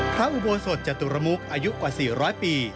อุโบสถจตุรมุกอายุกว่า๔๐๐ปี